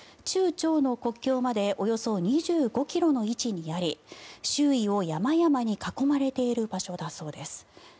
中朝の国境までおよそ２５ｋｍの位置にあり周囲を山々に囲まれている場所だそうです。